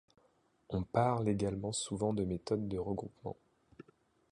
On parle également souvent de méthodes de regroupement.